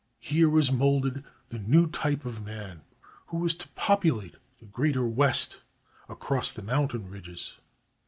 Here was moulded the new type of man, who was to populate the greater West across the mountain ridges.